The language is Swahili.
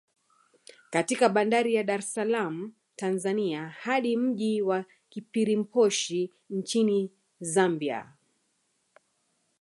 Katika bandari ya Dar es salaam Tanzania hadi mji wa Kapirimposhi Nchini Zambia